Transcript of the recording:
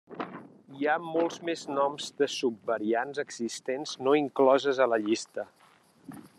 Hi ha molts més noms de subvariants existents no incloses a la llista.